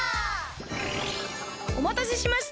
おまたせしました！